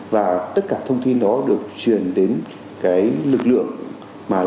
và tất cả thông tin đó được truyền đến cái lực lượng mà